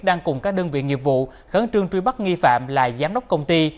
đang cùng các đơn vị nghiệp vụ khẩn trương truy bắt nghi phạm là giám đốc công ty